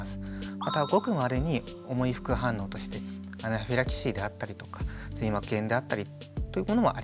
またごくまれに重い副反応としてアナフィラキシーであったりとか髄膜炎であったりというものもあります。